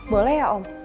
boleh ya om